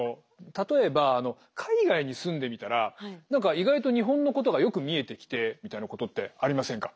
例えば海外に住んでみたら何か意外と日本のことがよく見えてきてみたいなことってありませんか？